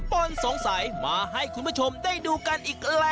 ต้นสงสัยมาให้คุณผู้ชมได้ดูกันอีกล่ะ